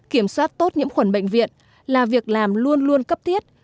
kiểm soát tốt nhiễm khuẩn bệnh viện là việc làm luôn luôn cấp thiết